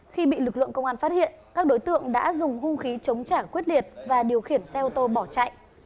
khi bị lực lượng công an phát hiện các đối tượng đã dùng hung khí chống trả quyết liệt và điều khiển xe ô tô bỏ chạy